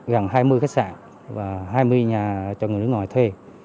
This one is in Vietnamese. gần hai mươi khách sạn và hai mươi nhà cho người nước ngoài thuê